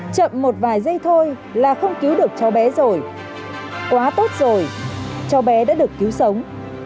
chậm một vài giây thôi là không cứu được cháu bé rồi quá tốt rồi cháu bé đã được cứu sống